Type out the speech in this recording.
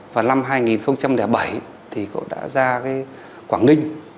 và năm hai nghìn bảy thì cũng đã ra cái quảng ninh